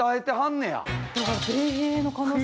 だから米兵の可能性は。